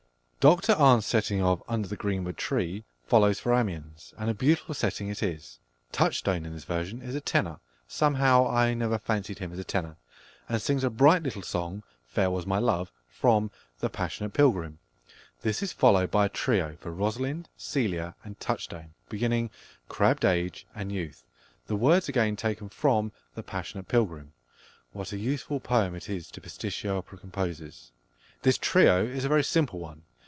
Dr Arne's setting of "Under the greenwood tree" follows for Amiens, and a beautiful setting it is. Touchstone, in this version, is a tenor (somehow I never fancied him as a tenor), and sings a bright little song, "Fair was my love," from The Passionate Pilgrim. This is followed by a trio for Rosalind, Celia, and Touchstone, beginning "Crabbed age and youth," the words again taken from The Passionate Pilgrim (what a useful poem it is to pasticcio opera composers!). This trio is a very simple one.